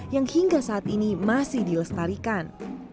yang hingga saat ini masih dilestarikan